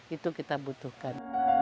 itu yang kita butuhkan